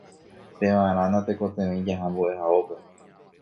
Pevarã natekotevẽi jaha mbo'ehaópe